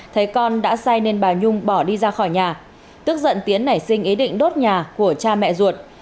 thấy con đã sai nên bà nhung bỏ đi ra khỏi nhà tức giận tiến nảy sinh ý định đốt nhà của cha mẹ ruột